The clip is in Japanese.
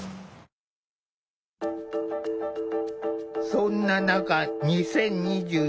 そんな中２０２１年